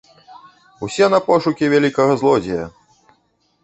Усе на пошукі вялікага злодзея!